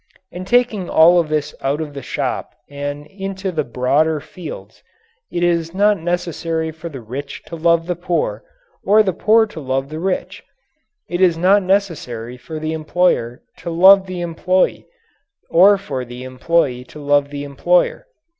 And taking all this out of the shop and into the broader fields, it is not necessary for the rich to love the poor or the poor to love the rich. It is not necessary for the employer to love the employee or for the employee to love the employer.